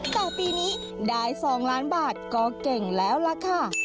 แต่ปีนี้ได้๒ล้านบาทก็เก่งแล้วล่ะค่ะ